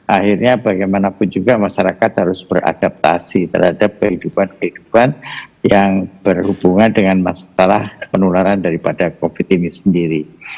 akhirnya bagaimanapun juga masyarakat harus beradaptasi terhadap kehidupan kehidupan yang berhubungan dengan masalah penularan daripada covid ini sendiri